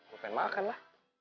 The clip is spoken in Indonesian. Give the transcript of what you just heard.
gua pengen makan lah